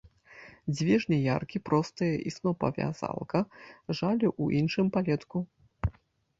Дзве жняяркі, простая і снопавязалка, жалі ў іншым палетку.